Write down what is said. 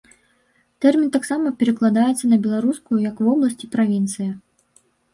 Тэрмін таксама перакладаецца на беларускую як вобласць і правінцыя.